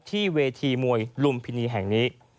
ที่เวทีมวยลุมพินีแห่งนี้